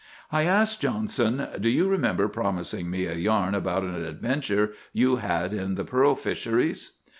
"I asked Johnson, 'Do you remember promising me a yarn about an adventure you had in the pearl fisheries?